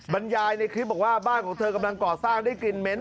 บรรยายในคลิปบอกว่าบ้านของเธอกำลังก่อสร้างได้กลิ่นเม้น